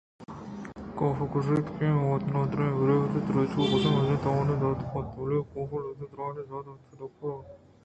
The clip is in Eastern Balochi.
کافءَگوٛشت کہ آئی ءِ مات ءِ نادُرٛاہی برے برے درٛاج کشّیت ءُ مزنیں تاوانے دات کنت بلئے کاف لہتیں نادُرٛاہی زانت ءُوتی حکیمی ٹِکّ و ٹاک کنت